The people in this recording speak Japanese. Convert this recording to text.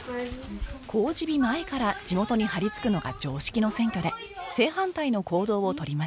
公示日前から地元に張りつくのが常識の選挙で正反対の行動をとりました